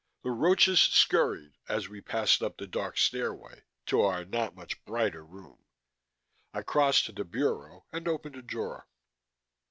The roaches scurried as we passed up the dark stairway to our not much brighter room. I crossed to the bureau and opened a drawer.